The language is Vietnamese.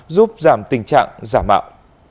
giúp giảm tình trạng giả mạo